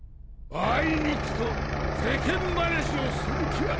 あいにくと世間話をする気はない。